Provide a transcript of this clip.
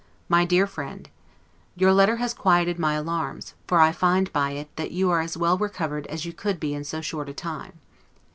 MY DEAR FRIEND: Your letter has quieted my alarms; for I find by it, that you are as well recovered as you could be in so short a time.